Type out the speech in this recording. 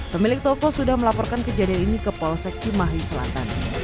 pemilik toko sudah melaporkan kejadian ini ke polsek cimahi selatan